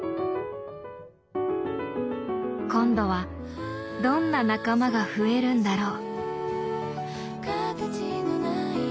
今度はどんな仲間が増えるんだろう？